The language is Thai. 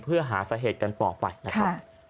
เพื่อหาสาเหตุกันต่อไปค่ะ